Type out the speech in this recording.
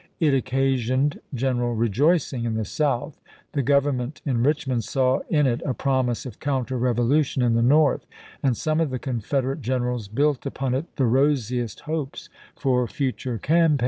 It occasioned general rejoicing in the South. The Government in Eichmond saw in it a promise of counter revolution in the North, and some of the Confederate generals built upon it the rosiest hopes for future campaigns.